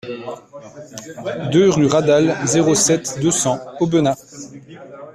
deux rue Radal, zéro sept, deux cents Aubenas